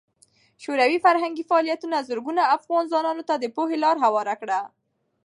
شوروي فرهنګي فعالیتونه زرګونو افغان ځوانانو ته د پوهې لار هواره کړه.